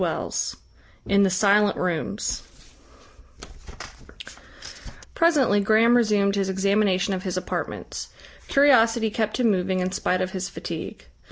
CHAPTER VII IN THE SILENT ROOMS Presently Graham resumed his examination of his apartments. Curiosity kept him moving in spite of his fatigue.